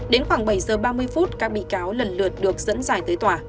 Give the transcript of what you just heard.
đến khoảng bảy giờ ba mươi phút các bị cáo lần lượt được dẫn dài tới tòa